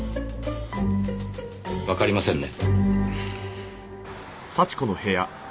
わかりませんね。